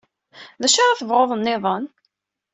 D acu ara tebɣuḍ nniḍen?